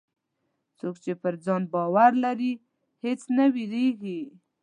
څوک چې پر ځان باور لري، هېڅ نه وېرېږي.